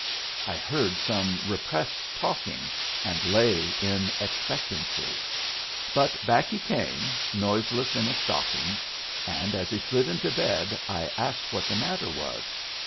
I heard some repressed talking, and lay in expectancy; but back he came, noiseless in his stockings, and as he slid into bed I asked what the matter was.